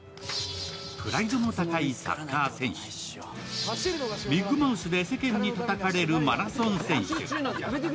プライドの高いサッカー選手、ビッグマウスで世間にたたかれるマラソン選手。